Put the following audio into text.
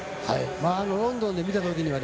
ロンドンで見たときには。